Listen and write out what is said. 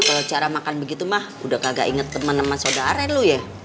kalau cara makan begitu mah udah kagak inget teman teman saudara lu ya